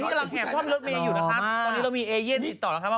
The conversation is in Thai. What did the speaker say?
สำหรับใครที่ติดต่ออยู่นะคะ